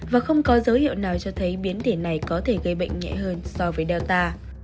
và không có dấu hiệu nào cho thấy biến thể này có thể gây bệnh nhẹ hơn so với data